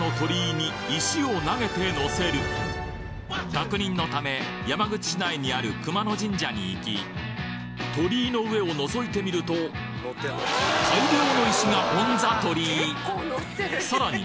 確認のため山口市内にある熊野神社に行き鳥居の上をのぞいてみると大量の石がオン・ザ・鳥居さらに